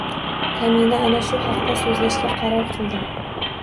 Kamina ana shu haqda so‘zlashga qaror qildim